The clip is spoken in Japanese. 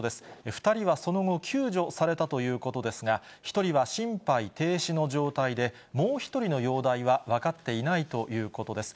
２人はその後、救助されたということですが、１人は心肺停止の状態で、もう１人の容体は分かっていないということです。